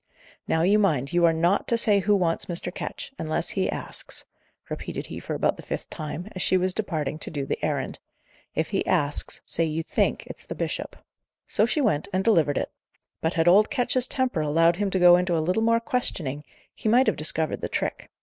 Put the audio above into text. "Now you mind, you are not to say who wants Mr. Ketch, unless he asks," repeated he for about the fifth time, as she was departing to do the errand. "If he asks, say you think it's the bishop." So she went, and delivered it. But had old Ketch's temper allowed him to go into a little more questioning, he might have discovered the trick.